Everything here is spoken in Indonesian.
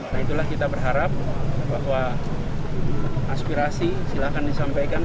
nah itulah kita berharap bahwa aspirasi silahkan disampaikan